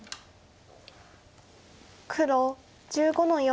黒１５の四。